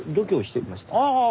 ああ